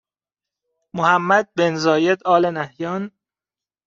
محمد بن زاید آل نهیان